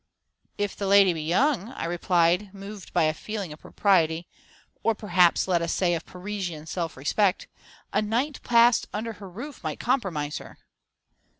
"If the lady be young," I replied, moved by a feeling of propriety or, perhaps, let us say, of Parisian self respect "a night passed under her roof might compromise her."